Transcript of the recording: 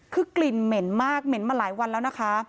คือกลิ่นเหม็นมากเหม็นมาหลายวันแล้วนะคะ